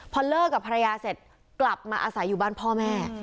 พอเลิกกับภรรยาเสร็จกลับมาอาศัยอยู่บ้านพ่อแม่